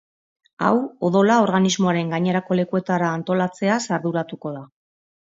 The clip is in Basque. Hau odola organismoaren gainerako lekuetara antolatzeaz arduratuko da.